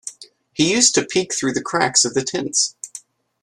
He used to peek through the cracks of the tents.